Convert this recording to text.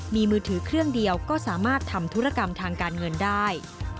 มีมือถือเครื่องเดียวก็สามารถทำธุรกรรมทางการเงินได้